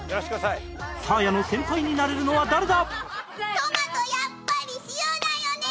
サーヤの先輩になれるのは誰だ？